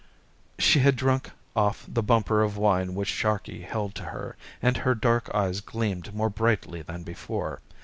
She had drunk off the bumper of wine which Sharkey held to her, and her dark eyes gleamed more brightly than before.